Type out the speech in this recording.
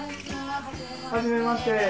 はじめまして。